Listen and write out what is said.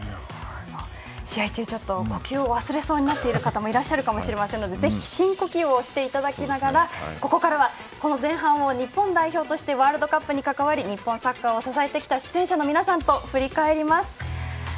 試合中、呼吸を忘れそうになっている方もいらっしゃるかと思いますのでぜひ深呼吸をしていただきながらここからは前半を日本代表としてワールドカップに関わり日本サッカーを支えてきた出演者の皆さんと振り返ります。